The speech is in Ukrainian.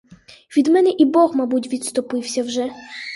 Від мене і бог, мабуть, відступився вже!